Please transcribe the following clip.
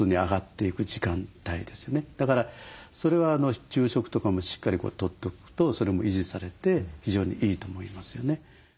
だからそれは昼食とかもしっかりとっておくとそれも維持されて非常にいいと思いますよね。